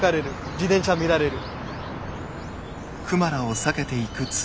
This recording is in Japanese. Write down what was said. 自転車見られる。